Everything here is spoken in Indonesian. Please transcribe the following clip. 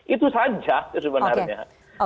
itu saja sebenarnya